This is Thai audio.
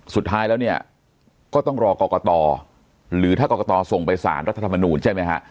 สุดท้ายแล้วเนี่ยก็ต้องรอกรกตหรือถ้ากรกตส่งไปสารรัฐธรรมนูลใช่ไหมฮะ